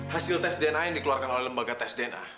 hasil tes dna yang dikeluarkan oleh lembaga tes dna